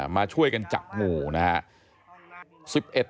มาช่วยกันจับหมู่นะฮะ